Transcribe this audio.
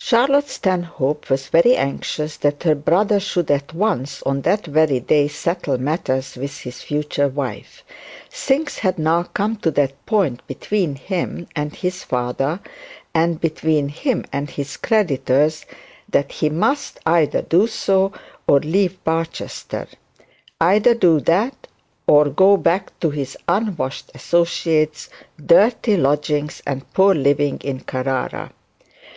Charlotte Stanhope was very anxious that her brother should at once on that very day settle matters with his future wife. Things had now come to that point between him and his father, and between him and his creditors, that he must either do so, or leave Barchester; either do that, or go back to his unwashed associates, dirty lodgings, and poor living at Carrara.